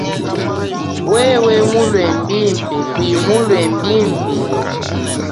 Wewa mulue bimpe kuyi mulue bimpe.